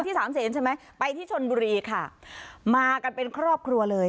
สามเซนใช่ไหมไปที่ชนบุรีค่ะมากันเป็นครอบครัวเลย